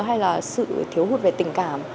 hay là sự thiếu hút về tình cảm